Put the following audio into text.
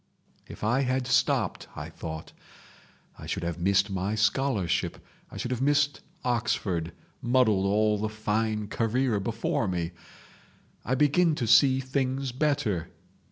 'If I had stopped,' I thought, 'I should have missed my scholarship, I should have missed Oxford—muddled all the fine career before me! I begin to see things better!